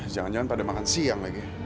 jangan jangan pada makan siang lagi